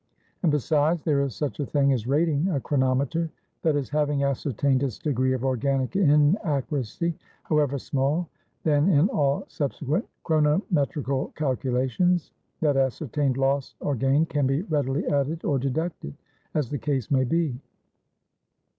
And besides, there is such a thing as rating a chronometer; that is, having ascertained its degree of organic inaccuracy, however small, then in all subsequent chronometrical calculations, that ascertained loss or gain can be readily added or deducted, as the case may be.